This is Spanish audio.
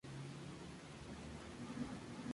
Abarca la Gascuña.